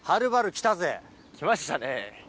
来ましたね。